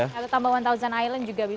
lalu tambah satu island juga bisa